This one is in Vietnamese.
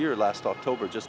trong phương pháp